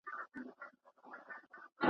کتاب د انسان ښه ملګری دې.